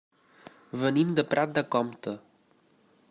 Venim de Prat de Comte.